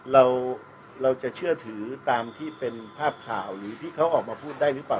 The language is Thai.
เราจะเชื่อถือตามที่เป็นภาพข่าวหรือที่เขาออกมาพูดได้หรือเปล่า